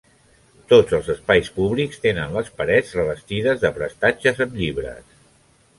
Tots els espais públics tenen les parets revestides de prestatges amb llibres.